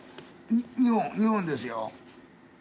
日本日本ですよ。